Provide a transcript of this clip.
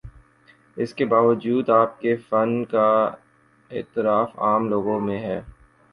اس کے باوجود آپ کے فن کا اعتراف عام لوگوں میں ہے۔